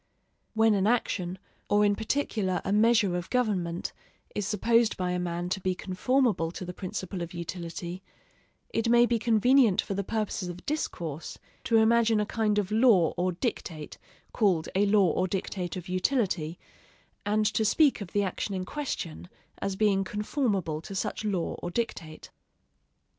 When an action, or in particular a measure of government, is supposed by a man to be conformable to the principle of utility, it may be convenient for the purposes of discourse to imagine a kind of law or dictate called a law or dictate of utility, and to speak of the action in question as being conformable to such law or dictate.